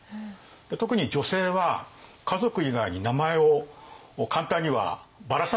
特に女性は家族以外に名前を簡単にはばらさないですね。